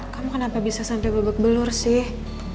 kamu kenapa bisa sampai babak belur sih